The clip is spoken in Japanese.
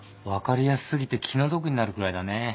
分かりやす過ぎて気の毒になるくらいだね。